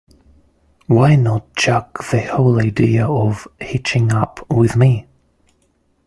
Why not chuck the whole idea of hitching up with me?